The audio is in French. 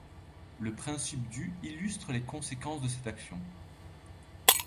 Le principe du illustre les conséquences de cette action.